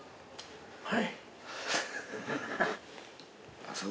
はい。